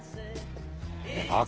あっ